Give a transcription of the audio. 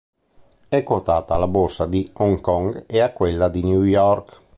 È quotata alla borsa di Hong Kong e a quella di New York.